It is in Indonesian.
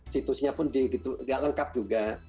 situsnya pun tidak lengkap juga